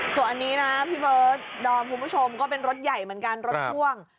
ส่วนอันนี้นะพี่เบิร์ดดอมคุณผู้ชมก็เป็นรถใหญ่เหมือนกันรถพ่วง